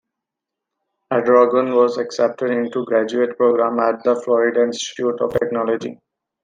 Adragon was accepted into a graduate program at the Florida Institute of Technology.